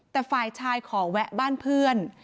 แต่ฝ่ายชายขอแวะบ้านเพื่อน